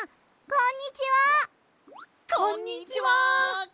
こんにちは！